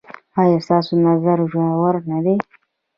ایا ستاسو نظر ژور نه دی؟